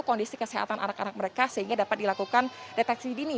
dan juga mereka harus memperhatikan anak anak mereka sehingga dapat dilakukan deteksi dini